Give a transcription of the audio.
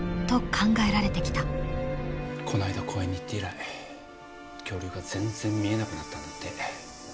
こないだ公園に行って以来恐竜が全然見えなくなったんだって。